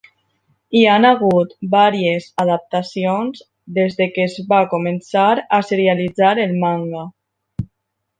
Hi han hagut vàries adaptacions des de que es va començar a serialitzar el manga.